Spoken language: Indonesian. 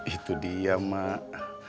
itu dia mak